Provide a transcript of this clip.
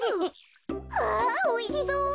わおいしそう。